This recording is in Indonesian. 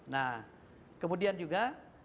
nah kemudian juga